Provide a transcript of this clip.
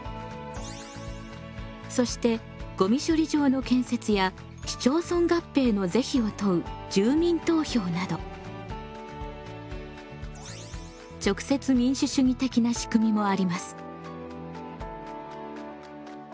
そしてごみ処理場の建設や市町村合併の是非を問う住民投票など直接民主主義的なしくみもあります。